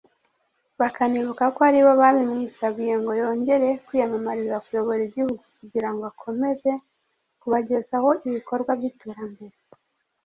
bakanibuka ko ari bo babimwisabiye ngo yongere kwiyamamariza kuyobora igihugu kugira ngo akomeze kubagezaho ibikorwa by’iterambere